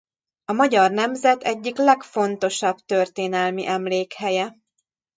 A magyar nemzet egyik legfontosabb történelmi emlékhelye.